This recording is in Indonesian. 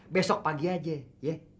besok pagi aja ya